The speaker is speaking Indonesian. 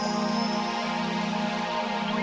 dayu usa tiang fungsi